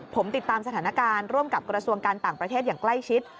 ผมติดตามสถานการณ์ร่วมกับกระทรวงการต่างประเทศอย่างใกล้ชิด